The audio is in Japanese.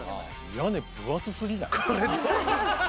屋根、分厚すぎない？